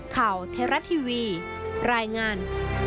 ข่าวเทราะทีวีรายงาน